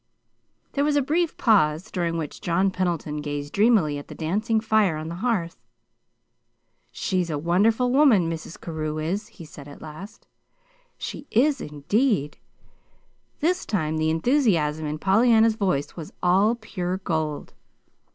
There was a brief pause, during which John Pendleton gazed dreamily at the dancing fire on the hearth. "She's a wonderful woman Mrs. Carew is," he said at last. "She is, indeed!" This time the enthusiasm in Pollyanna's voice was all pure gold.